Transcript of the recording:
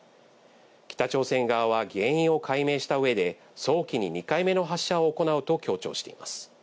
北朝鮮側が原因を解明したうえで、早期に２回目の発射を行うと強調しています。